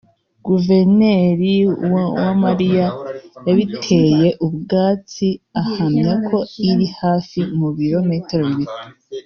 Guverineri Uwamariya yabiteye utwatsi ahamya ko iri hafi mu birometero bibiri